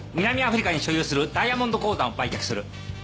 南アフリカに所有するダイヤモンド鉱山を売却する。